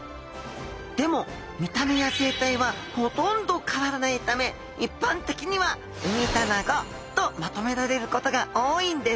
でも見た目や生態はほとんど変わらないため一般的にはウミタナゴとまとめられることが多いんです。